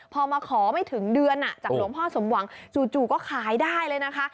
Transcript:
พอมาขอไม่ถึงเดือนจากหลวงพ่อสมหวังจู่ก็ขายได้เลยนะคะ